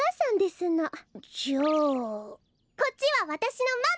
こっちはわたしのママ！